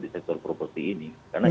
di sektor properti ini karena